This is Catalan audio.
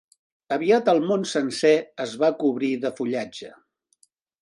Aviat el món sencer es va cobrir de fullatge.